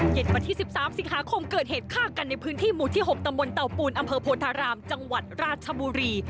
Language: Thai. วันที่๑๓สิงหาคมเกิดเหตุฆ่ากันในพื้นที่หมู่ที่๖ตำบลเตาปูนอำเภอโพธารามจังหวัดราชบุรี